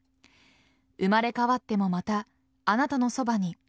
生まれ変わってもまたあなたのそばに。